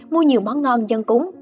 mua nhiều món ngon dân cúng